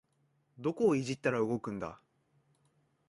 どこをいじったら動くんだ